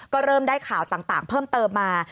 ก็เริ่มได้ข่าวต่างเพิ่มเติมมา